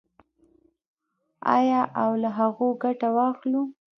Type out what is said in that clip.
آیا او له هغو ګټه واخلو؟